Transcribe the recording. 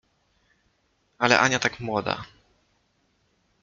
Ale Ania tak młoda…